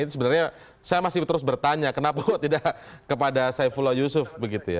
sebenarnya saya masih terus bertanya kenapa tidak kepada saifula yusuf begitu ya